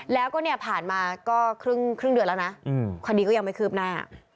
แล้วก็เนี่ยผ่านมาก็ครึ่งเดือนแล้วนะคดีก็ยังไม่คืบหน้า